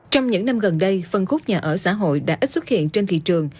trong những năm gần đây phân khúc nhà ở xã hội đã ít xuất hiện trên thị trường